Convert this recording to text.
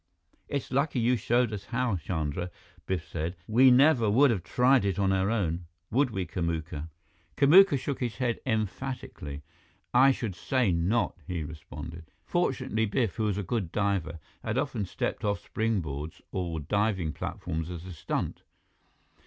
"It's lucky you showed us how, Chandra," Biff said. "We never would have tried it on our own. Would we, Kamuka?" Kamuka shook his head emphatically. "I should say not!" he responded. Fortunately, Biff, who was a good diver, had often stepped off springboards or diving platforms as a stunt.